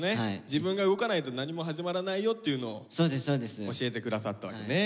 自分が動かないと何も始まらないよっていうのを教えて下さったわけね。